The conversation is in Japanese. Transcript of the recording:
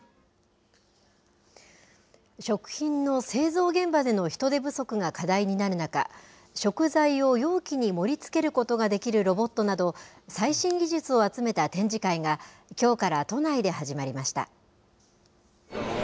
食品の製造現場での人手不足が課題になる中、食材を容器に盛りつけることができるロボットなど、最新技術を集めた展示会がきょうから都内で始まりました。